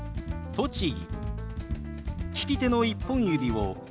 「栃木」。